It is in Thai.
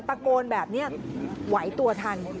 ตะโกนแบบนี้ไหวตัวทัน